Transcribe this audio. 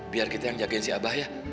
biar kita yang jagain si abah ya